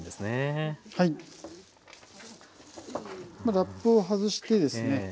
ラップを外してですね